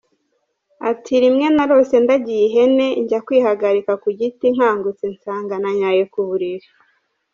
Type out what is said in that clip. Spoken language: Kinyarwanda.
Ati “Rimwe narose ndagiye ihene njya kwihagarika ku giti nkangutse nsanga nanyaye ku buriri.